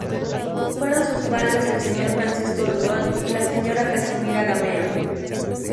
Fueron sus padres el señor Francisco Durón y la señora Casimira Gamero.